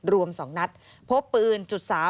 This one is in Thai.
รวมสองนัดพบปืน๓๕๗